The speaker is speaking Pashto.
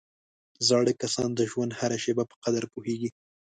زاړه کسان د ژوند هره شېبه په قدر پوهېږي